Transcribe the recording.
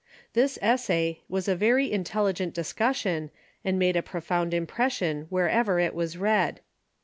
This essay was a very intelligent discussion, and made a profound impression wherever it was read.